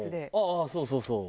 あっそうそうそう。